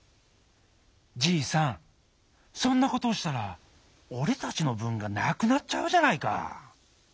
じいさんそんなことをしたらおれたちのぶんがなくなっちゃうじゃないか」。